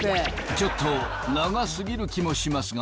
ちょっと長すぎる気もしますが。